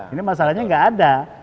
ini masalahnya tidak ada